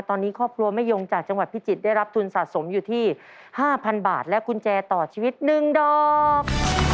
ตอนนี้ครอบครัวแม่ยงจากจังหวัดพิจิตรได้รับทุนสะสมอยู่ที่๕๐๐บาทและกุญแจต่อชีวิต๑ดอก